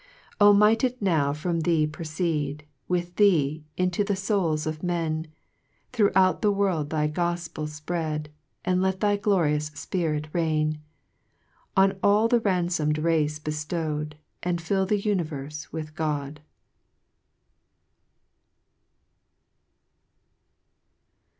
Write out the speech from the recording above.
4 O might it now from thee proceed, With thee, — into the fouls of men i Throughout the world thy gofpel fpread, And let thy glorious Spirit reign, On all the ranfom'd race beftow'd, And fill the univerfe with God.